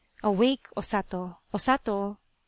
Awake, O Sato ! O Sato !